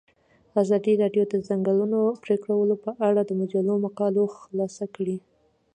ازادي راډیو د د ځنګلونو پرېکول په اړه د مجلو مقالو خلاصه کړې.